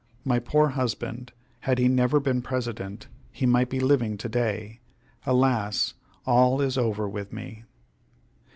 My poor husband! had he never been President, he might be living to day. Alas! all is over with me!"